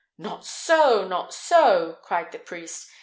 "Not so! not so!" cried the priest.